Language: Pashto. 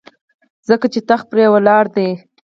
ځکه چې تخت پرې ولاړ دی.